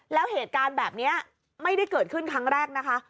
แล้วเหตุการณ์แบบนี้ไม่ได้เกิดขึ้นครั้งแรกนะคะ